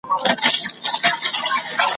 تر لمسیو به دي جوړه آشیانه وي `